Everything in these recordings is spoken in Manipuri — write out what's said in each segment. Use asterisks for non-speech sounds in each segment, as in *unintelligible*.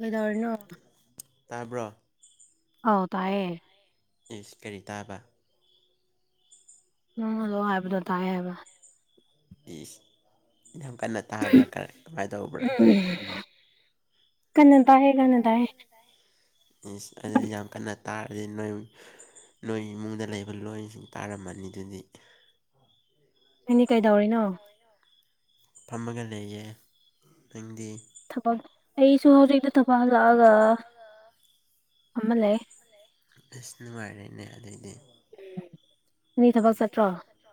ꯀꯩꯗꯧꯔꯤꯅꯣ ꯇꯥꯕ꯭ꯔꯣ ꯑꯧ ꯇꯥꯏꯌꯦ ꯏꯁ ꯀꯔꯤ ꯇꯥꯕ ꯅꯪ ꯍꯜꯂꯣ ꯍꯥꯏꯕꯗꯣ ꯇꯥꯏ ꯍꯥꯏꯕ ꯏꯁ ꯌꯥꯝ ꯀꯟꯅ ꯇꯥꯕ꯭ꯔ ꯀ ꯀꯃꯥꯏ ꯇꯧꯕ꯭ꯔ ꯀꯟꯅ ꯇꯥꯏꯌꯦ ꯀꯟꯅ ꯇꯥꯏꯌꯦ ꯏꯁ ꯑꯗꯨꯗꯤ ꯌꯥꯝ ꯀꯟꯅ ꯇꯥꯔꯗꯤ ꯅꯣꯏ ꯅꯣꯏ ꯏꯃꯨꯡꯗ ꯂꯩꯕ ꯂꯣꯏ ꯇꯥꯔꯝꯃꯅꯤ ꯑꯗꯨꯗꯤ ꯅꯪꯗꯤ ꯀꯩꯗꯧꯔꯤ ꯅꯪꯗꯤ ꯀꯩꯗꯧꯔꯤꯅꯣ ꯐꯝꯃꯒ ꯂꯩꯌꯦ ꯅꯪꯗꯤ ꯊꯕꯛ ꯑꯩꯁꯨ ꯍꯧꯖꯤꯛꯇ ꯊꯕꯛ ꯍꯜꯂꯛꯑꯒ ꯐꯝꯃ ꯂꯩ ꯑꯁ ꯅꯨꯡꯉꯥꯏꯔꯦꯅꯦ ꯑꯗꯩꯗꯤ ꯎꯝ ꯁꯤ ꯊꯕꯛ ꯆꯠꯇ꯭ꯔꯣ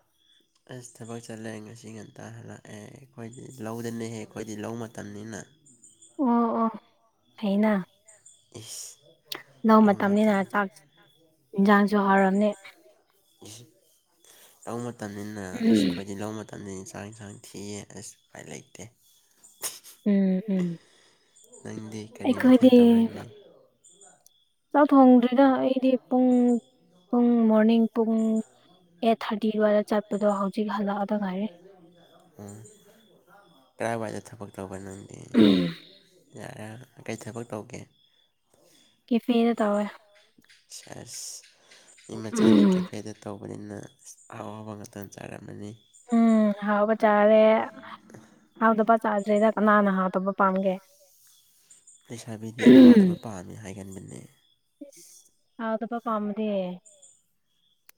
ꯑꯁ ꯊꯕꯛ ꯆꯠꯂꯦ ꯉꯁꯤ ꯉꯟꯇ ꯍꯜꯂꯛꯑꯦ ꯑꯩꯈꯣꯏꯗꯤ ꯂꯧꯗ ꯂꯦꯛꯑꯦ ꯑꯩꯈꯣꯏꯗꯤ ꯂꯧ ꯃꯇꯝꯅꯤꯅ ꯑꯣ ꯑꯣ ꯐꯥꯏꯅ ꯏꯁ ꯂꯧ ꯃꯇꯝꯅꯤꯅ ꯆꯥꯛ ꯏꯟꯁꯥꯡꯁꯨ ꯍꯥꯎꯔꯝꯅꯤ ꯂꯧ ꯃꯇꯝꯅꯤꯅ ꯎꯝ ꯑꯁ ꯈꯣꯏꯗꯤ ꯂꯧ ꯃꯇꯝ ꯃꯇꯝꯅꯤ ꯆꯥꯛ ꯏꯟꯁꯥꯡ ꯊꯤ ꯑꯁ ꯎꯄꯥꯏ ꯂꯩꯇꯦ ꯎꯝ ꯎꯝ ꯅꯪꯗꯤ ꯀꯔꯤ ꯑꯩꯈꯣꯏꯗꯤ ꯃꯊꯦꯜ ꯇꯧꯔꯅꯤ ꯆꯥꯛ ꯊꯣꯡꯗ꯭ꯔꯤꯗ ꯑꯩꯗꯤ ꯄꯨꯡ ꯄꯨꯡ ꯃꯣꯔꯅꯤꯡ ꯄꯨꯡ ꯑꯩꯠ ꯊꯥꯔꯇꯤ ꯋꯥꯏ ꯆꯠꯄꯗꯣ ꯍꯧꯖꯤꯛ ꯍꯜꯂꯛꯑꯗ ꯉꯥꯏꯔꯤ ꯎꯝ ꯀꯔꯥꯏꯋꯥꯏꯗ ꯊꯕꯛ ꯇꯧꯕ ꯅꯪꯗꯤ ꯌꯥꯔꯦ ꯌꯥ ꯀꯩ ꯊꯕꯛ ꯇꯧꯒꯦ ꯀꯦꯐꯦꯗ ꯇꯧꯋꯦ ꯁꯦꯁ ꯃꯤ ꯃꯆꯥꯗꯤ ꯀꯦꯐꯦꯗ ꯇꯧꯕꯅꯤꯅ ꯑꯁ ꯑꯍꯥꯎ ꯑꯍꯥꯎꯕ ꯉꯥꯛꯇ ꯆꯥꯔꯝꯃꯅꯤ ꯎꯝ ꯑꯍꯥꯎꯕ ꯆꯥꯔꯦ ꯍꯥꯎꯗꯄꯥ ꯆꯥꯗ꯭ꯔꯦꯗ ꯀꯅꯥꯅ ꯍꯥꯎꯗꯕ ꯄꯥꯝꯒꯦ ꯂꯩꯁꯥꯕꯤꯗꯤ ꯑꯍꯥꯎꯗꯕ ꯄꯥꯝꯃꯤ ꯍꯥꯏꯒꯟꯕꯅꯦ ꯍꯥꯎꯗꯄ ꯄꯥꯃꯝꯗꯤ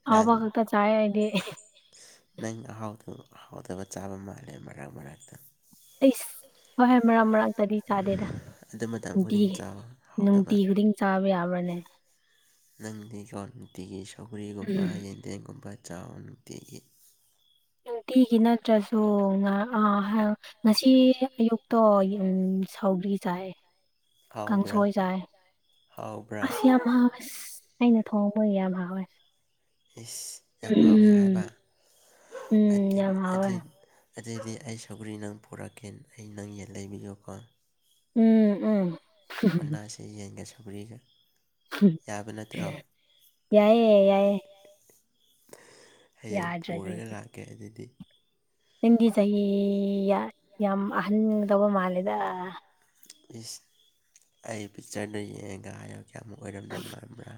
ꯑꯍꯥꯎꯕ ꯅꯪ ꯈꯛꯇ ꯆꯥꯏꯌꯦ ꯑꯥꯏꯗꯤ ꯅꯪ ꯑꯍꯥꯎꯗꯕ ꯍꯥꯎꯗꯕ ꯆꯥꯕ ꯃꯥꯜꯂꯦ ꯃꯔꯛ ꯃꯔꯛꯇ ꯏꯁ ꯍꯣꯏ ꯍꯣꯏ ꯃꯔꯥꯛ ꯃꯔꯛ ꯀꯗꯤ ꯆꯥꯗꯦꯗ ꯑꯗꯨ ꯃꯇꯝ ꯅꯨꯡꯇꯤ ꯈꯨꯗꯤꯡ ꯆꯥꯎ ꯍꯥꯎꯇꯕ ꯅꯨꯡꯇꯤ ꯈꯨꯗꯤꯡ ꯆꯥꯕ ꯌꯥꯕ꯭ꯔꯥꯅꯦ ꯅꯪꯗꯤ ꯀꯣ ꯅꯨꯡꯇꯤꯒꯤ ꯁꯧꯒ꯭ꯔꯤꯒꯨꯝꯕ ꯎꯝ ꯌꯦꯟꯗꯦꯝꯒꯨꯝꯕ ꯆꯥꯎ ꯅꯨꯡꯇꯤꯒꯤ ꯅꯨꯡꯇꯤꯒꯤ ꯅꯠꯇ꯭ꯔꯁꯨ ꯉꯍꯥ ꯉꯍ ꯍꯦꯜ ꯉꯁꯤ ꯑꯌꯨꯛꯇꯣ ꯁꯥꯎꯒ꯭ꯔꯤ ꯆꯥꯏ ꯍꯥꯎꯕ꯭ꯔꯥ ꯀꯥꯡꯁꯣꯏ ꯆꯥꯏ ꯍꯥꯎꯕ꯭ꯔꯥ ꯑꯁ ꯌꯥꯝ ꯑꯩꯅ ꯊꯣꯡꯉꯐꯥꯎ ꯌꯥꯝ ꯍꯥꯎꯋꯦ ꯏꯁ ꯌꯥꯝ ꯍꯥꯎꯋꯦ ꯎꯝ ꯍꯥꯏꯕ ꯎꯝ ꯑꯗꯨꯟ ꯌꯥꯝ ꯍꯥꯎꯋꯦ ꯑꯗꯨꯟ ꯑꯗꯨꯏꯗꯤ ꯑꯩ ꯁꯧꯒ꯭ꯔꯤ ꯅꯪ ꯄꯨꯔꯛꯀꯦ ꯑꯩ ꯅꯪ ꯌꯦꯟ ꯂꯩꯕꯤꯌꯨꯀꯣ ꯎꯝ ꯎꯝ ꯑꯣꯟꯅꯁꯤ ꯌꯦꯟꯒ ꯁꯧꯒ꯭ꯔꯤꯒ ꯌꯥꯕ ꯅꯠꯇ꯭ꯔꯣ ꯌꯥꯏꯌꯦ ꯌꯥꯏꯌꯦ ꯍꯌꯦꯡ ꯌꯥꯗ꯭ꯔꯗꯤ ꯄꯨꯔꯒ ꯂꯥꯛꯀꯦ ꯑꯗꯨꯗꯤ ꯅꯪꯒꯤ ꯆꯍꯤ ꯌꯥꯝ ꯑꯍꯟꯒꯗꯧꯕ ꯃꯥꯜꯂꯦꯗ ꯏꯁ ꯑꯩ ꯄꯤꯛꯆꯔꯅ ꯌꯦꯛꯑꯒ ꯍꯥꯏꯌꯣ ꯀꯌꯥꯃꯨꯛ ꯑꯣꯏꯔꯝꯗꯧ ꯃꯥꯟꯕ꯭ꯔꯥ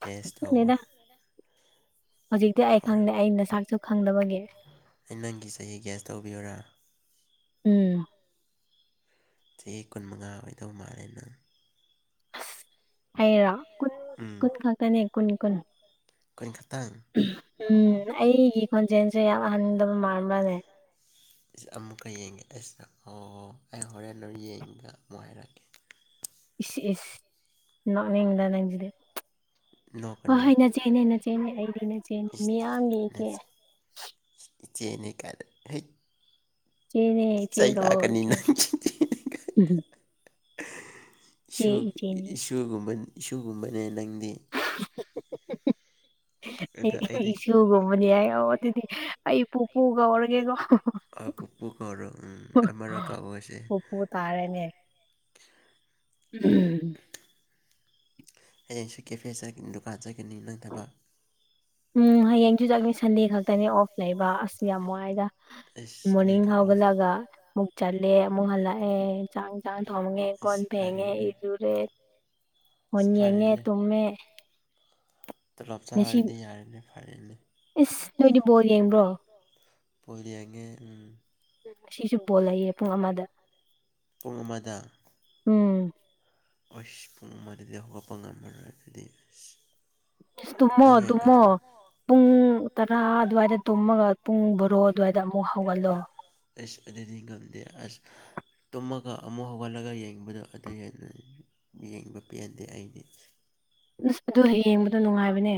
ꯀꯦꯁ ꯇꯧꯋꯣ ꯈꯪꯗꯦꯗ ꯍꯧꯖꯤꯛꯇꯤ ꯑꯩ ꯍꯣꯏ ꯈꯪꯗꯦ ꯑꯩ ꯅꯁꯥꯛꯁꯨ ꯈꯪꯗꯕꯒꯤ ꯑꯩ ꯅꯪꯒꯤ ꯆꯍꯤ ꯒꯦꯁ ꯇꯧꯕꯤꯌꯨꯔꯥ ꯎꯝ ꯆꯍꯤ ꯀꯨꯟꯃꯉꯥ ꯑꯣꯏꯗꯧ ꯃꯥꯜꯂꯦ ꯅꯪ ꯑꯁ ꯑꯩꯔꯣ ꯀꯨꯟ ꯎꯝ ꯀꯨꯟ ꯈꯛꯇꯅꯦ ꯀꯨꯟ ꯀꯨꯟ ꯀꯨꯟ ꯈꯇꯪ ꯎꯝ ꯑꯩꯒꯤ ꯈꯣꯟꯖꯦꯟꯖꯦ ꯌꯥꯝ ꯑꯍꯟꯗꯕ ꯃꯥꯟꯕꯅꯦ ꯏꯁ ꯑꯃꯨꯛꯀ ꯌꯦꯡꯒꯦ ꯑꯩꯁ ꯑꯣ ꯑꯩ ꯍꯣꯔꯦꯟ ꯌꯦꯡꯒ ꯑꯃꯨꯛ ꯍꯥꯏꯔꯛꯀꯦ ꯏꯁ ꯏꯁ ꯅꯣꯛꯅꯤꯡꯗ ꯅꯪꯖꯤꯗꯤ ꯍꯣ ꯅꯣꯛꯀꯅꯨ ꯍꯣꯏ ꯅꯆꯦꯅꯦ ꯅꯆꯦꯅꯦ ꯑꯩꯗꯤ ꯅꯆꯦꯅꯦ ꯃꯤꯌꯥꯝꯒꯤ ꯏꯆꯦ *unintelligible* ꯏꯆꯦꯅꯤ ꯀꯥꯏꯗ ꯏꯆꯦꯅꯦ ꯏꯆꯦ ꯆꯩ ꯀꯧꯋꯣ ꯂꯥꯛꯀꯅꯤ ꯏꯆꯦ ꯅꯪ *unintelligible* ꯏꯆꯦ ꯏꯁꯨ ꯏ ꯏꯆꯦꯅꯦ ꯏꯆꯦ ꯏꯁꯨꯒꯨꯝꯕ ꯏꯁꯨꯒꯨꯝꯕꯅꯦ ꯅꯪꯗꯤ *inaudible* ꯑꯗꯣ ꯑꯩ ꯑꯩꯗꯤ ꯏꯁꯨꯒꯨꯝꯕꯅꯦ ꯍꯥꯏꯔꯣ ꯑꯗꯨꯗꯤ ꯑꯩ ꯄꯨꯄꯨ ꯀꯧꯔꯒꯦꯀꯣ *unintelligible* ꯑ ꯄꯨꯄꯨ ꯀꯧꯔꯣ ꯎꯝ ꯑꯃꯔꯛ ꯀꯧꯑꯣꯁꯦ ꯄꯥꯔꯦꯅꯦ *unintelligible* ꯍꯌꯦꯡꯁꯦ ꯀꯦꯐꯦ ꯆꯠ ꯗꯨꯀꯥꯟ ꯆꯠꯀꯅꯤ ꯅꯪ ꯊꯕꯛ ꯎꯝ ꯍꯌꯦꯡꯖꯨ ꯆꯠꯅꯤ ꯁꯟꯗꯦ ꯈꯛꯇꯅꯤ ꯑꯣꯐ ꯂꯩꯕ ꯑꯁ ꯌꯥꯝ ꯋꯥꯏꯗꯥ ꯑꯩꯁ ꯁꯅꯦꯛ ꯃꯣꯔꯅꯤꯡ ꯀꯛꯑꯣ ꯍꯧꯒꯠꯂꯒ ꯃꯨꯛ ꯆꯠꯂꯦ ꯑꯃꯨꯛ ꯍꯜꯂꯛꯑꯦ ꯆꯥꯡ ꯏꯟꯖꯥꯡ ꯊꯣꯡꯉꯦ ꯀꯣꯟ ꯑꯁ ꯐꯦꯡꯉꯦ ꯐꯔꯦꯅꯦ ꯏꯔꯨꯔꯦ ꯐꯣꯟ ꯑꯁ ꯌꯦꯡꯉꯦ ꯐꯔꯦꯅꯦ ꯇꯨꯝꯃꯦ ꯇꯣꯂꯣꯞ ꯉꯁꯤ ꯆꯥꯔꯗꯤ ꯌꯥꯔꯦꯅꯦ ꯐꯔꯦꯅꯦ ꯏꯁ ꯅꯣꯏꯗꯤ ꯕꯣꯜ ꯌꯦꯡꯕ꯭ꯔꯣ ꯕꯣꯜ ꯌꯥꯡꯉꯦ ꯎꯝ ꯉꯁꯤꯁꯨ ꯕꯣꯜ ꯂꯩꯌꯦ ꯄꯨꯡ ꯑꯃꯗ ꯄꯨꯡ ꯎꯝ ꯑꯣꯏꯁ ꯄꯨꯡ ꯑꯃꯗꯗꯤ ꯍꯧꯒꯠꯄ ꯉꯝꯃꯔꯣꯏ ꯑꯗꯨꯗꯤ *unintelligible* ꯇꯨꯝꯃꯣ ꯅꯪ ꯇꯨꯝꯃꯣ ꯌꯦꯡꯒꯗ꯭ꯔꯣ ꯄꯨꯡ ꯇꯔꯥ ꯑꯗꯨꯋꯥꯏꯗ ꯇꯨꯝꯃꯒ ꯄꯨꯡ ꯚꯔꯣ ꯑꯗꯨꯋꯥꯏꯗ ꯑꯃꯨꯛ ꯍꯧꯒꯠꯂꯣ ꯑꯁ ꯑꯗꯨꯗꯤ ꯉꯝꯗꯦ ꯑꯁ ꯇꯨꯝꯃꯒ ꯑꯃꯨꯛ ꯍꯧꯒꯠꯂꯒ ꯌꯦꯡꯕꯗꯣ ꯑꯗꯨ ꯍꯦꯟꯅ ꯌꯦꯡꯕ ꯄꯦꯟꯗꯦ ꯑꯩꯗꯤ ꯑꯁ ꯑꯗꯨ ꯌꯦꯡꯕꯗꯣ ꯅꯨꯡꯉꯥꯏꯕꯅꯦ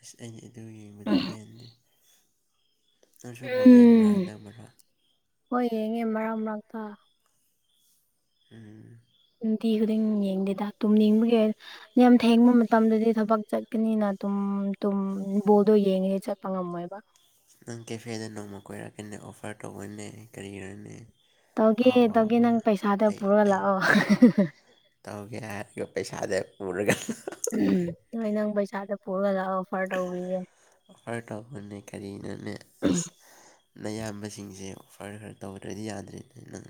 ꯑꯁ ꯑꯩꯗꯤ ꯑꯗꯨ ꯌꯦꯡꯕꯗ ꯄꯦꯟꯗꯦ ꯅꯪꯁꯨ ꯕꯣꯜ ꯌꯦꯡꯕ꯭ꯔꯥ ꯎꯝ ꯍꯟꯗꯛ ꯃꯔꯛ ꯍꯣꯏ ꯌꯦꯡꯉꯦ ꯃꯔꯛ ꯃꯔꯛꯇꯥ ꯎꯝ ꯅꯨꯇꯤ ꯈꯨꯗꯤꯡ ꯌꯦꯡꯗꯦꯗꯥ ꯇꯨꯝꯅꯤꯡꯕꯒꯤ ꯌꯥꯝ ꯊꯦꯡꯕ ꯃꯇꯝꯗꯗꯤ ꯊꯕꯛ ꯆꯠꯀꯅꯤꯅꯥ ꯇꯨꯝ ꯇꯨꯝ ꯕꯣꯜꯗꯣ ꯌꯦꯡꯉꯤꯉꯩ ꯆꯠꯄ ꯉꯝꯃꯣꯏꯕꯥ ꯅꯪ ꯀꯦꯐꯦꯗ ꯅꯣꯡꯃ ꯀꯣꯏꯔꯛꯀꯦꯅꯦ ꯑꯣꯐꯔ ꯇꯧꯕꯣꯅꯦ ꯀꯔꯤꯔꯅꯦ ꯇꯧꯒꯦ ꯑꯍꯥꯎ ꯇꯧꯒꯦ ꯑꯍꯥꯎꯕ ꯅꯪ ꯄꯩꯁꯥꯗꯣ ꯑꯩ ꯄꯨꯔ ꯑꯩ ꯂꯥꯛꯑꯣ *unintelligible* ꯇꯧꯒꯦ ꯍꯥꯏꯔꯒ ꯄꯩꯁꯥꯗ ꯄꯨꯔꯒ *unintelligible* ꯎꯝ ꯍꯣꯏ ꯅꯪ ꯄꯩꯁꯥꯗꯣ ꯄꯨꯔꯒ ꯂꯥꯛꯑꯣ ꯑꯣꯐꯔ ꯇꯧꯕꯤꯒꯦ ꯑꯣꯐꯔ ꯇꯧꯕꯅꯦ ꯀꯔꯤꯅꯣꯅꯦ ꯑꯁ ꯅꯌꯥꯝꯕꯁꯤꯡꯖꯦ ꯑꯣꯐꯔ ꯈ꯭ꯔ ꯇꯧꯗ꯭ꯔꯗꯤ ꯌꯥꯗ꯭ꯔꯦ ꯅꯪ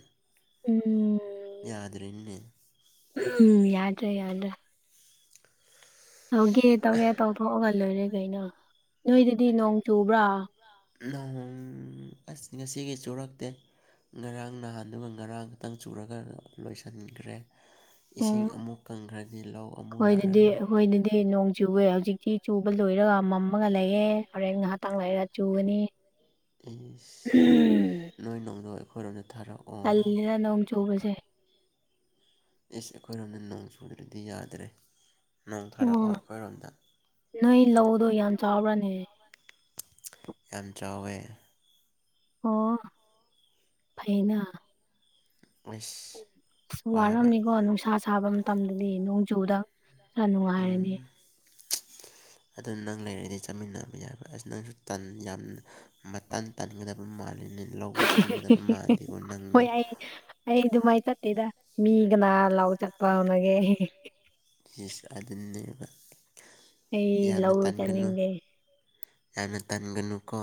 ꯎꯝ ꯌꯥꯗ꯭ꯔꯦꯅꯦ ꯎꯝ ꯌꯥꯗ꯭ꯔꯦ ꯌꯥꯗ꯭ꯔꯦ ꯇꯧꯒꯦ ꯇꯧꯔꯦ ꯇꯧꯊꯣꯛꯑꯒ ꯂꯣꯏꯔꯦ ꯀꯩꯅꯣ ꯅꯣꯏꯗꯗꯤ ꯅꯣꯡ ꯆꯨꯕ꯭ꯔꯥ ꯅꯣꯡ ꯑꯁ ꯉꯁꯤꯒꯤ ꯆꯨꯔꯛꯇꯦ ꯉꯔꯥꯡ ꯅꯍꯥꯟꯗꯨꯒ ꯉꯔꯥꯡ ꯈꯇꯪ ꯆꯨꯔꯒ ꯂꯣꯏꯁꯟꯈ꯭ꯔꯦ ꯏꯁꯤꯡ ꯑꯃꯨꯛ ꯀꯪꯈ꯭ꯔꯗꯤ ꯂꯧ ꯑꯃꯨꯛ ꯈꯣꯏꯗꯗꯤ ꯌꯥꯔꯔꯣꯏ ꯑꯈꯣꯏꯗꯗꯤ ꯅꯣꯡ ꯆꯨꯑꯦ ꯍꯧꯖꯤꯛꯇꯤ ꯆꯨꯕ ꯂꯣꯏꯔꯒ ꯃꯝꯃꯒ ꯂꯩꯑꯦ ꯍꯣꯔꯦꯟ ꯉꯍꯥꯇꯪ ꯂꯩꯔ ꯆꯨꯒꯅꯤ ꯎꯝ ꯏꯁ ꯅꯣꯏ ꯅꯣꯡꯗꯣ ꯑꯩꯈꯣꯏꯔꯣꯝꯗ ꯊꯥꯔꯛꯑꯣ ꯇꯜꯂꯤꯗ ꯅꯣꯡ ꯆꯨꯕꯖꯦ ꯏꯁ ꯑꯩꯈꯣꯏꯔꯣꯝꯗ ꯅꯣꯡ ꯆꯨꯗ꯭ꯔꯗꯤ ꯌꯥꯗ꯭ꯔꯦ ꯅꯣꯡ ꯊꯥꯔꯛꯑꯣ ꯑꯣ ꯑꯩꯈꯣꯏꯔꯣꯝꯗ ꯅꯣꯏ ꯂꯧꯗꯣ ꯌꯥꯝ ꯆꯥꯎꯕ꯭ꯔꯅꯦ ꯌꯥꯝ ꯆꯥꯎꯋꯦ ꯑꯣ ꯐꯩꯅ ꯎꯏꯁ ꯋꯥꯔꯝꯃꯤꯀꯣ ꯅꯨꯡꯁꯥ ꯁꯥꯕ ꯃꯇꯝꯗꯗꯤ ꯅꯣꯡꯖꯨꯗ ꯈꯔ ꯅꯨꯡꯉꯥꯏꯔꯅꯤ ꯑꯗꯨ ꯅꯪ ꯂꯩꯔꯗꯤ ꯆꯠꯃꯤꯟꯅꯕ ꯌꯥꯏꯕ ꯑꯁ ꯅꯪꯁꯨ ꯇꯟ ꯌꯥꯝꯅ ꯃꯇꯟ ꯇꯟꯒꯗꯕ ꯃꯥꯜꯂꯤꯅꯦ ꯂꯧꯕꯨꯛ ꯀꯨꯝꯒꯗꯕ ꯃꯥꯟꯗꯦꯀꫭ ꯅꯪꯗꯣ ꯍꯣꯏ ꯑꯩ ꯑꯩ ꯑꯗꯨꯝꯃꯥꯏ ꯆꯠꯇꯦꯗ ꯃꯤ ꯒꯅꯥ ꯂꯧ ꯆꯠꯄ ꯍꯧꯅꯒꯦ *unintelligible* ꯏꯁ ꯑꯗꯨꯅꯦꯕ ꯑꯩ ꯌꯥꯝꯅ ꯂꯧ ꯇꯟꯒꯅꯨ ꯆꯠꯅꯤꯡꯗꯦ ꯌꯥꯝꯅ ꯇꯟꯒꯅꯨꯀꯣ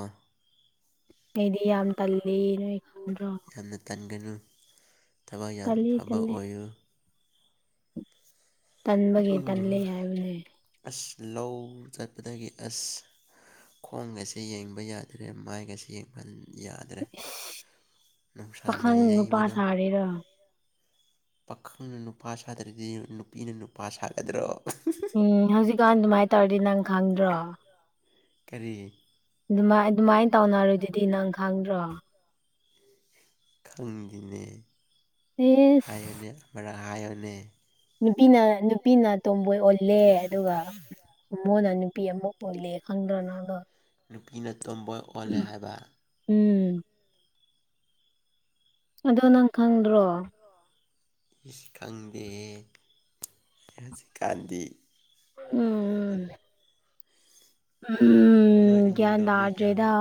ꯑꯩꯗꯤ ꯌꯥꯝ ꯇꯜꯂꯤ ꯅꯣꯏ ꯈꯪꯗ꯭ꯔꯣ ꯌꯥꯝꯅ ꯇꯟꯒꯅꯨ ꯊꯕꯛ ꯌꯥꯝ ꯇꯜꯂꯤ ꯐꯕ ꯇꯜꯂꯦ ꯑꯣꯏꯌꯨ ꯇꯟꯕꯒꯤ ꯇꯜꯂꯦ ꯍꯥꯏꯕꯅꯦ ꯑꯁ ꯂꯧ ꯆꯠꯄꯗꯒꯤ ꯑꯁ ꯈꯣꯡꯒꯁꯦ ꯌꯦꯡꯕ ꯌꯥꯗ꯭ꯔꯦ ꯃꯥꯏꯒꯁꯦ ꯌꯦꯡ *unintelligible* ꯌꯥꯗ꯭ꯔꯦ ꯏꯁ ꯅꯨꯡꯁꯥꯅ ꯌꯩꯕꯗꯣ ꯀꯔꯤꯔ ꯄꯥꯈꯪꯅ ꯅꯨꯄꯥ ꯁꯥꯗ꯭ꯔꯗꯤ ꯅꯨꯄꯤꯅ ꯅꯨꯄꯥ ꯁꯥꯒꯗ꯭ꯔꯣ ꯎꯝ ꯍꯧꯖꯤꯛꯀꯥꯟ ꯑꯗꯨꯝꯃꯥꯏ ꯇꯧꯔꯗꯤ ꯅꯪ ꯈꯪꯗ꯭ꯔꯣ ꯀꯔꯤ ꯑꯗꯨꯃꯥꯏ ꯑꯗꯨꯃꯥꯏꯟ ꯇꯧꯅꯔꯣꯏꯗꯨꯗꯤ ꯅꯪ ꯈꯪꯗ꯭ꯔꯣ ꯈꯪꯗꯤꯅꯦ ꯑꯦꯁ ꯍꯥꯏꯌꯨꯅꯦ ꯑꯃꯔꯛ ꯍꯥꯥꯏꯌꯨꯅꯦ ꯅꯨꯄꯤꯅ ꯅꯨꯄꯤꯅ ꯇꯣꯝꯕꯣꯏ ꯑꯣꯜꯂꯦ ꯑꯗꯨꯒ ꯍꯣꯃꯣꯅ ꯅꯨꯄꯤ ꯑꯃꯨꯛ ꯑꯣꯜꯂꯦ ꯈꯪ꯭ꯗꯔꯣ ꯅꯪ ꯑꯗꯣ ꯅꯨꯄꯤꯅ ꯇꯣꯝꯕꯣꯏ ꯑꯣꯜꯂꯦ ꯍꯥꯏꯕ ꯎꯝ ꯑꯗꯣ ꯅꯪ ꯈꯪꯗ꯭ꯔꯣ ꯏꯁ ꯈꯪꯗꯦ ꯍꯧꯖꯤꯛꯀꯥꯟꯗꯤ ꯎꯝ ꯎꯝ ꯅꯣꯏ ꯎꯝ ꯒ꯭ꯌꯥꯟ ꯏꯃꯨꯡꯗꯣ ꯃꯤ ꯇꯥꯗ꯭ꯔꯦꯗ ꯀꯌꯥꯃꯨꯛ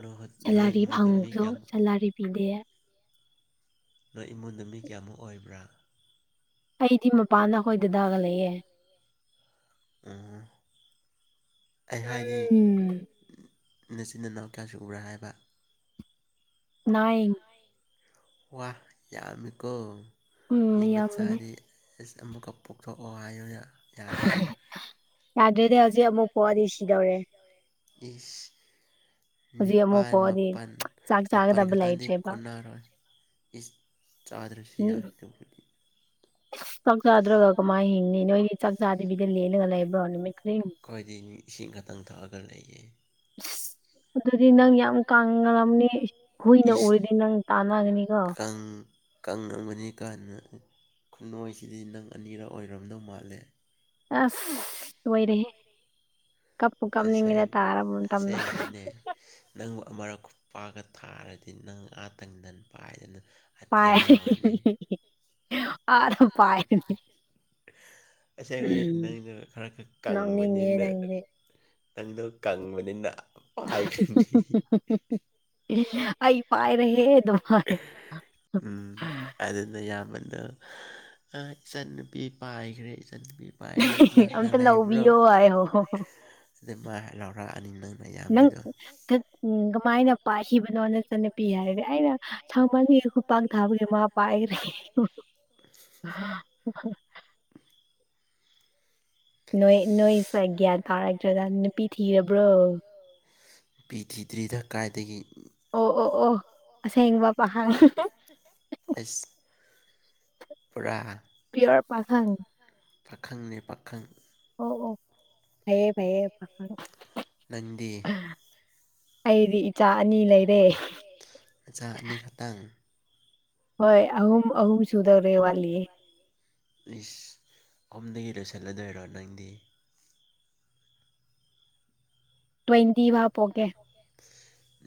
ꯅꯣꯏ ꯅꯣꯏ ꯁꯦꯂꯔꯤ ꯏꯃꯨꯡꯗꯣ ꯃꯤ *unintelligible* ꯀꯌꯥꯃꯨꯛ ꯁꯦꯂꯔꯤ ꯄꯤꯗꯦ ꯅꯣꯏ ꯏꯃꯨꯡꯗꫭ ꯃꯤ ꯀꯌꯥꯃꯨꯛ ꯑꯣꯏꯕ꯭ꯔ ꯑꯩꯗꯤ ꯃꯄꯥꯟꯗ ꯑꯈꯣꯏ ꯗꯗꯥꯒ ꯂꯩꯌꯦ ꯑꫭ ꯑꯩ ꯍꯥꯏꯗꯤ ꯎꯝ ꯅꯆꯤꯟ ꯅꯅꯥꯎ ꯀꯌꯥ ꯁꯨꯕ꯭ꯔ ꯍꯥꯏꯕ ꯅꯥꯏꯟ ꯅꯥꯏꯟ ꯋꯥ ꯌꯥꯝꯃꯤꯀꯣ ꯎꯝ ꯃꯤ ꯌꯥꯝꯕꯅꯦ ꯃꯆꯥꯗꯤ ꯑꯦꯁ ꯑꯃꯨꯛꯀ ꯄꯣꯛꯊꯣꯛꯑꯣ ꯍꯥꯏꯌꯨꯅꯦ ꯌꯥꯗ꯭ꯔꯣ ꯌꯥꯗ꯭ꯔꯦꯗ ꯍꯧꯖꯤꯛ ꯑꯃꯨꯛ ꯄꯣꯛꯑꯗꯤ ꯁꯤꯗꯧꯔꯦ ꯏꯁ ꯍꯧꯖꯤꯛ ꯑꯃꯨꯛ ꯅꯤꯄꯥꯟ ꯄꯣꯛꯑꯗꯤ ꯃꯥꯄꯟ ꯆꯥꯛ ꯃꯥꯄꯟ ꯆꯥꯒꯗꯕ ꯈꯛꯇꯪꯗꯤ ꯂꯩꯇ꯭ꯔꯦꯕ ꯀꯣꯟꯅꯔꯣꯏ ꯏꯁ ꯆꯥꯗ꯭ꯔꯁꯨ ꯌꯥꯏ ꯑꯗꯨꯕꯨꯗꯤ ꯏꯁ ꯆꯥꯛ ꯆꯥꯗ꯭ꯔꯒ ꯀꯝꯃꯥꯏ ꯍꯤꯡꯅꯤ ꯅꯣꯏꯗꯤ ꯆꯥꯛ ꯆꯥꯗꯕꯤꯗ ꯂꯦꯜꯂꯒ ꯂꯩꯕ꯭ꯔꯣ ꯅꯨꯃꯤꯠ ꯈꯨꯗꯤꯡ ꯈꯣꯏꯗꯤ ꯏꯁꯤꯡ ꯈꯇꯪ ꯊꯛꯑꯒ ꯂꯩꯌꯦ ꯏꯁ ꯑꯗꯨꯗꯤ ꯅꯪ ꯌꯥꯝ ꯀꯪꯔꯝꯅꯤ ꯍꯨꯏꯅ ꯏꯁ ꯎꯔꯗꯤ ꯅꯪ ꯇꯥꯟꯅꯒꯅꯤꯀꯣ ꯀꯪꯔꯝꯒꯅꯤ ꯀꯥꯏꯅ ꯈꯨꯟꯅꯣꯏꯁꯤꯗꯤ ꯅꯪ ꯑꯅꯤꯔꯛ ꯑꯣꯏꯔꯝꯗꯧ ꯃꯥꯜꯂꯦ ꯑꯁ ꯂꯣꯏꯔꯦꯍꯦ ꯀꯞꯄꯨ ꯀꯞꯅꯤꯡꯉꯤꯗ ꯑꯁꯦꯡ ꯇꯥꯔꯕ ꯃꯇꯝꯗ ꯑꯁꯦꯡꯕꯅꯦ ꯅꯪꯕꯨ ꯑꯃꯔꯛ ꯈꯨꯄꯥꯛꯒ ꯊꯥꯔꯗꯤ ꯅꯪ ꯑꯥ ꯇꯟ ꯗꯟ ꯄꯥꯏꯗꯅ ꯑꯇꯤꯌꯥ ꯄꯥꯏ ꯌꯧꯔꯅꯤ ꯑꯗꯣ ꯄꯥꯏ ꯑꯁꯦꯡꯕꯅꯦ ꯅꯪꯅ ꯈꯔ ꯈꯠ ꯅꯣꯛꯅꯤꯡꯉꯦ ꯀꯪꯕꯅꯤꯅ ꯅꯪꯗꯤ ꯅꯪꯗꯣ ꯀꯪꯕꯅꯤꯅ ꯄꯥꯏꯈ꯭ꯔꯥꯅꯤ ꯏꯔꯤꯅ ꯑꯩ ꯑꯩ ꯄꯥꯏꯔꯦꯍꯦ ꯑꯗꯨꯃꯥꯏ ꯄꯥꯏꯔꯒꯦ ꯎꯝ ꯑꯗꯨꯅ ꯌꯥꯝ ꯃꯥꯟꯗꯅ ꯑ ꯏꯆꯥꯟꯅꯨꯄꯤ ꯄꯥꯏꯒ꯭ꯔꯦ ꯏꯆꯥꯟꯅꯨꯄꯤ ꯄꯥꯏꯒ꯭ꯔꯦ ꯀꯅꯥ ꯀꯅꯥ ꯑꯝꯇ ꯂꯩꯥꯕ꯭ꯔꯣ ꯂꯧꯕꯤꯌꯣ ꯍꯥꯏꯌꯣ ꯂꯧꯕꯤꯑꯣ ꯍꯥꯏꯕꯀꯣ ꯑꯗꯨꯃꯥꯏ ꯍꯥꯏ ꯂꯥꯎꯔꯛꯑꯅꯤ ꯅꯪ ꯅꯌꯥꯝꯕꯗꯣ ꯇꯠ ꯀꯃꯥꯏꯅ ꯄꯥꯏꯈꯤꯕꯅꯣ ꯅꯆꯥꯟꯅꯨꯄꯤ ꯍꯥꯏꯔꯗꯤ ꯑꯩꯅ ꯁꯥꯎꯃꯥꯟꯒꯤ ꯈꯨꯄꯥꯛꯅ ꯊꯥꯕꯒꯤ ꯃꯥ ꯄꯥꯏꯒ꯭ꯔꯦ ꯅꯣꯏ ꯅꯣꯏꯁꯦ ꯒ꯭ꯌꯥꯟ ꯇꯥꯔꯛꯇ꯭ꯔꯦꯗ ꯅꯨꯄꯤ ꯊꯤꯔꯕ꯭ꯔꯣ ꯑꯣ ꯅꯨꯄꯤ ꯊꯤꯗ꯭ꯔꯤꯗ ꯀꯥꯏꯗꯒꯤ ꯑꯣ ꯑꯣ ꯑꯣ ꯑꯁꯦꯡꯕ ꯄꯥꯈꯪ ꯑꯩꯁ ꯄꯨꯔꯥ ꯄꯤꯌꯣꯔ ꯄꯥꯈꯪ ꯈꯪ ꯄꯥꯈꯪꯅꯦ ꯄꯥꯈꯪ ꯑꯣ ꯑꯣ ꯐꯌꯦ ꯐꯌꯦ ꯄꯥꯈꯪ ꯅꯪꯗꯤ ꯑꯩꯗꯤ ꯏꯆꯥ ꯑꯅꯤ ꯂꯩꯔꯦ ꯅꯆꯥ ꯑꯅꯤ ꯈꯛꯇꯪ ꯍꯣꯏ ꯑꯍꯨꯝ ꯑꯍꯨꯝ ꯁꯨꯗꯧꯔꯦ ꯋꯥꯠꯂꯤꯌꯦ ꯋꯥꯠꯂꯤꯌꯦ ꯏꯁ ꯑꯍꯨꯝꯗꯒꯤ ꯂꯣꯏꯁꯜꯂꯗꯣꯏꯔꯣ ꯅꯪꯗꯤ ꯇ꯭ꯋꯦꯟꯇꯤ ꯐꯥꯎ ꯄꯣꯛꯀꯦ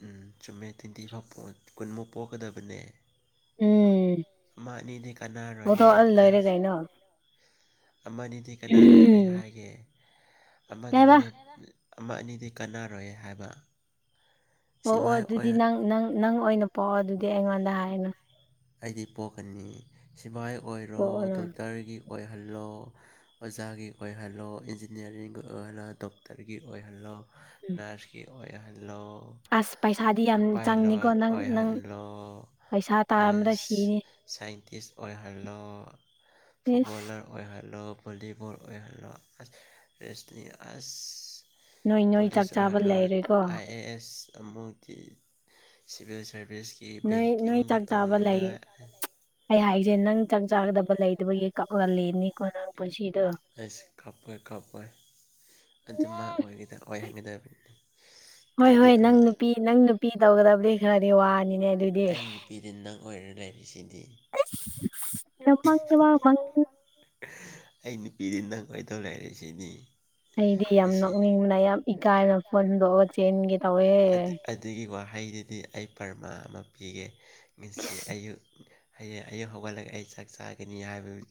ꯎꯝ ꯆꯨꯝꯃꯦ ꯇ꯭ꯋꯦꯟꯇꯤ ꯐꯥꯎ ꯄꯣꯛ ꯀꯨꯟꯃꯨꯛ ꯄꯣꯛꯀꯗꯕꯅꯦ ꯎꯝ꯫ ꯑꯃ ꯑꯅꯤꯗꯤ ꯀꯅꯥꯔꯣꯏꯌꯦ ꯄꯣꯛꯊꯣꯛꯑ ꯂꯣꯏꯔꯦ ꯑꯁ ꯀꯩꯅꯣ ꯑꯃꯅꯤ ꯗꯤ ꯀꯟꯅꯔꯣꯏ ꯑꯩ ꯍꯥꯏꯒꯦ ꯀꯩꯕ ꯑꯃꯗꯨꯅ ꯑꯃ ꯑꯅꯤꯗꯤ ꯀꯟꯅꯔꯣꯏꯌꯦ ꯍꯥꯏꯕ ꯑꯣ ꯑꯣ ꯁꯤꯐꯥꯏ ꯑꯣꯏ ꯑꯗꯨꯗꯤ ꯅꯪ ꯅꯪ ꯅꯪ ꯑꯣꯏꯅ ꯄꯣꯛꯑꯣ ꯑꯗꯨꯗꯤ ꯑꯩꯉꯣꯟꯗ ꯍꯥꯏꯔꯅꯨ ꯑꯩꯗꯤ ꯄꯣꯛꯀꯅꯤ ꯁꯤꯕꯥꯏ ꯑꯣꯏꯔꯣ ꯄꯣꯛꯑꯣꯅ ꯗꯣꯛꯇꯔꯒꯤ ꯑꯣꯏꯍꯜꯂꯣ ꯑꯣꯖꯥꯒꯤ ꯑꯣꯏꯍꯜꯂꯣ ꯏꯟꯖꯤꯅꯤꯌꯥꯔꯤꯡꯒꯤ ꯑꯣꯏꯍꯜꯂꯣ ꯗꯣꯛꯇꯔꯒꯤ ꯑꯣꯏꯍꯜꯂꯣ ꯎꯝ ꯅꯔꯁꯀꯤ ꯑꯣꯏꯍꯜꯂꯣ ꯑꯁ ꯄꯩꯁꯥꯗꯤ ꯌꯥꯝ ꯆꯪꯅꯤꯀꯣ ꯄꯥꯏꯂꯣꯠ ꯅꯪ ꯅꯪ ꯑꯣꯏꯍꯟꯂꯣ ꯄꯩꯁꯥ ꯇꯥꯟꯕꯗ ꯑꯁ ꯁꯤꯅꯤ ꯁꯥꯏꯟꯇꯤꯁ ꯑꯣꯏꯍꯜꯂꯣ ꯏꯁ ꯐꯨꯠꯕꯣꯜꯂꯔ ꯑꯣꯏꯍꯜꯂꯣ ꯕꯣꯂꯤꯕꯣꯜ ꯑꯣꯏꯍꯜꯂꯣ ꯑꯁ ꯔꯦꯁꯇꯤꯅꯤ ꯑꯁ ꯅꯣꯏ ꯅꯣꯏ ꯆꯥꯛ ꯄꯨꯂꯤꯁ ꯆꯥꯕ ꯑꯣꯏꯍꯜꯂꯣ ꯂꯩꯔꯦꯀꯣ ꯑꯥꯏ ꯑꯦ ꯑꯦꯁ ꯑꯃꯨꯛ ꯊꯤ ꯁꯤꯚꯤꯜ ꯁꯔꯚꯤꯁꯀꯤ ꯅꯣꯏ ꯅꯣꯏ ꯕꯦꯡꯀꯤꯡꯗ ꯆꯥꯛ ꯆꯥꯕ ꯂꯩꯌꯦ꯫ ꯇꯧꯅꯤꯡꯉꯥꯏ ꯑꯩ ꯍꯥꯏꯖꯦ ꯅꯪ ꯆꯥꯛ ꯆꯥꯒꯗꯕ ꯂꯩꯇꯕꯒꯤ ꯀꯞꯂꯒ ꯂꯩꯅꯤꯀꯣ ꯅꯪ ꯄꯨꯟꯁꯤꯗꯣ ꯑꯩꯁ ꯀꯞꯄꯣꯏ ꯀꯞꯄꯣꯏ ꯑꯗꯨ ꯃꯥ ꯎꯝ ꯑꯣꯏꯒꯗ ꯑꯣꯏꯍꯟꯒꯗꯕꯅꯤ ꯍꯣꯏ ꯀꯥꯏꯗꯤ ꯍꯣꯏ ꯅꯪ ꯑꯃ ꯅꯨꯄꯤ ꯅꯪ ꯅꯨꯄꯤ ꯇꯧꯒꯗꯕꯗꯤ ꯈꯔꯗꯤ ꯋꯥꯅꯤꯅꯦ ꯑꯗꯨꯏ ꯑꯩ ꯅꯨꯄꯤꯗꯤ ꯅꯪ ꯑꯣꯏꯔ ꯂꯩꯔꯤꯁꯤꯗꯤ ꯅꯃꯪꯗꯕꯥꯎ ꯃꯪꯅꯨ ꯑꯩ ꯅꯨꯄꯤꯗꯤ ꯅꯪ ꯑꯣꯏꯗꯧ ꯂꯩꯔꯁꯤꯗꯤ ꯑꯩꯗꯤ ꯌꯥꯝ ꯅꯣꯛꯅꯤꯡꯕꯅ ꯌꯥꯝ ꯏꯀꯥꯏꯕꯅ ꯐꯣꯟ ꯍꯨꯟꯗꯣꯛꯑꯒ ꯆꯦꯟꯒꯦ ꯇꯧꯋꯦ ꯑꯗꯨ ꯑꯗꯨꯒꯤ ꯋꯥꯍꯩꯗꯨꯗꯤ ꯑꯩ ꯄꯔꯃꯥ ꯑꯃ ꯄꯤꯒꯦ ꯉꯁꯤ ꯏꯁ ꯑꯌꯨꯛ ꯍꯌꯦ ꯑꯌꯨꯛ ꯍꯧꯒꯠꯂꯒ ꯑꯩ ꯆꯥꯛ ꯆꯥꯒꯅꯤ ꯍꯥꯏꯕꯗꯨ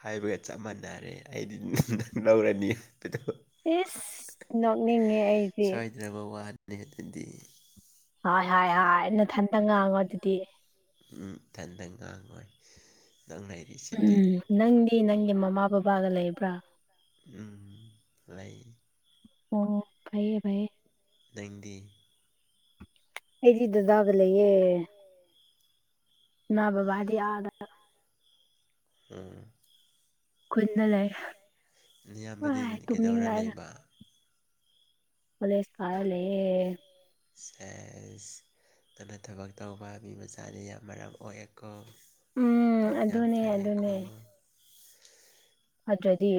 ꯍꯥꯏꯕꯒ ꯆꯞ ꯃꯥꯟꯅꯔꯦ ꯑꯩꯗꯤ ꯅꯨꯡꯗ ꯂꯧꯔꯅꯤ ꯗꯨꯗꯣ ꯏꯁ ꯅꯣꯛꯅꯤꯡꯉꯦ ꯑꯩꯗꯤ ꯅꯕꯔ ꯋꯥꯟꯅꯦ ꯑꯗꯨꯗꯤ ꯍꯣꯏ ꯍꯣꯏ ꯍꯥꯏ ꯅꯊꯟꯗ ꯉꯥꯡꯉꯣ ꯑꯗꯨꯗꯤ ꯎꯝ ꯏꯊꯟꯇꯪ ꯉꯥꯡꯉꯣꯏ ꯅꯪ ꯂꯩ ꯎꯝ ꯅꯪꯗꯤ ꯅꯪꯒꯤ ꯃꯃꯥ ꯕꯕꯥꯒ ꯂꯩꯕ꯭ꯔꯥ ꯎꯝ ꯂꯩ ꯑꯣ ꯐꯩꯌꯦ ꯐꯩꯌꯦ ꯅꯪꯗꯤ ꯑ ꯩ ꯗꯗꯥꯒ ꯂꯩꯌꯦ ꯏꯃꯥ ꯕꯕꯥꯗꯤ ꯑꯥꯗ ꯎꯝ ꯈꯨꯟꯗ ꯂꯩ ꯏꯌꯥꯝꯕꯗꯤ ꯋꯥꯏ ꯀꯩꯗꯧꯔ ꯇꯨꯝꯅꯤꯡꯔꯛꯑꯦꯗ ꯂꯩꯕ ꯀꯣꯂꯦꯁ ꯀꯥꯔ ꯂꯩꯌꯦ ꯁꯦꯁ ꯅꯪꯅ ꯊꯕꯛ ꯇꯧꯕ ꯃꯤ ꯃꯆꯥꯅ ꯌꯥꯝ ꯃꯔꯝ ꯑꯣꯏꯑꯦꯀꯣ ꯎꯝ ꯌꯥꯝ ꯑꯗꯨꯅꯦ ꯐꯩꯌꯦꯀꯣ ꯑꯗꯨꯅꯦ ꯐꯠꯇ꯭ꯔꯗꯤ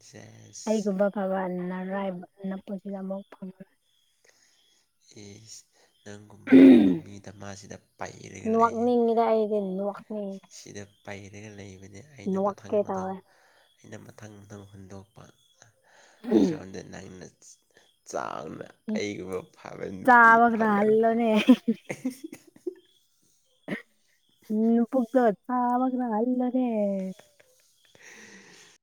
ꯁꯦꯁ ꯑꯩꯒꯨꯝꯕ ꯐꯕ ꯑꯟꯅꯔꯥꯏꯕ ꯅꯄꯨꯟꯁꯤꯗ ꯑꯃꯨꯛ ꯐꯪꯉꯔꯣꯏ ꯏꯁ ꯅꯪꯒꯨꯝꯕ ꯐꯕ ꯃꯤ ꯗꯃꯥꯁꯤꯗ ꯄꯩꯔꯒ ꯂꯩꯌꯦ *unintelligible* ꯁꯤꯗ ꯄꯩꯔꯒ ꯂꯩꯕꯅꯤ ꯑꯩꯅ ꯃꯊꯪ ꯅꯣꯛꯀꯦ ꯃꯊꯪ ꯇꯧꯋꯦ ꯑꯩꯅ ꯃꯊꯪ ꯃꯊꯪ ꯍꯨꯟꯗꯣꯛꯄ ꯑꯁꯣꯝꯗ ꯅꯪꯅ ꯆꯥꯎꯅ ꯑꯩꯥ ꯃꯨꯛ ꯐꯥꯕ ꯅꯨꯄꯤ ꯆꯥꯕꯒ ꯍꯜꯂꯣꯅꯦ *unintelligible* ꯅ꯭ꯌꯨꯄꯨꯛꯇꯣ *unintelligible*